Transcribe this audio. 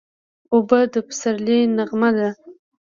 اوبه د پسرلي نغمه ده.